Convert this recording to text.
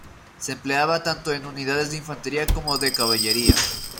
Se empleaba tanto en unidades de infantería como de caballería.